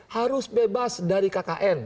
harus bebas dari kkn